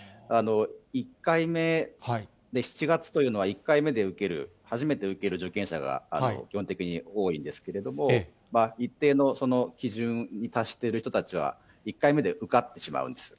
１回目で７月というのは１回目で受ける、初めて受ける受験者が基本的に多いんですけれども、一定の基準に達している人たちは、１回目で受かってしまうんです。